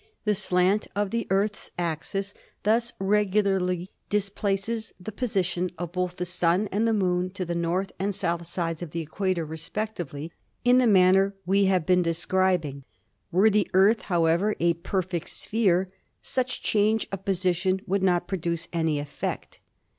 The slant of the Earth's axis thus regularly displaces the position of both 158 ASTRONOMY the Sun and the Moon to the north and south sides of the equator respectively in the manner we have been describ ing. Were the Earth, however, a perfect sphere such change of position would not produce any effect.